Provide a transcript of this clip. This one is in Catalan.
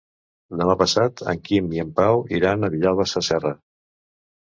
Demà passat en Quim i en Pau iran a Vilalba Sasserra.